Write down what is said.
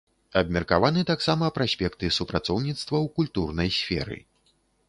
Абмеркаваны таксама праспекты супрацоўніцтва ў культурнай сферы.